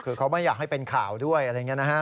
คือเขาไม่อยากให้เป็นข่าวด้วยอะไรอย่างนี้นะฮะ